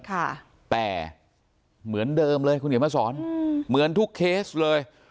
ค่ะแต่เหมือนเดิมเลยคุณเขียนมาสอนอืมเหมือนทุกเคสเลย